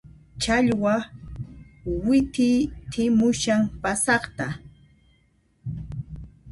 Challwa wit'itimushan pasaqta